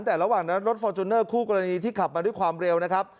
แต่ระหว่างนั้นรถฟอร์จูเนอร์คู่กรณีที่ขับมาด้วยความเร็วนะครับ